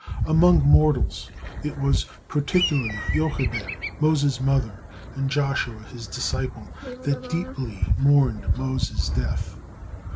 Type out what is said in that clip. '" Among mortals, it was particularly Jochebed, Moses' mother, and Joshua, his disciple, that deeply mourned Moses' death.